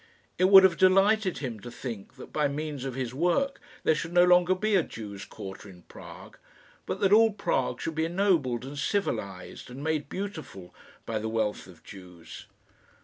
It would have delighted him to think that, by means of his work, there should no longer be a Jews' quarter in Prague, but that all Prague should be ennobled and civilised and made beautiful by the wealth of Jews.